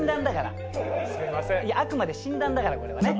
あくまで診断だからこれはね。